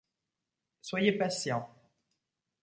Soyez patients.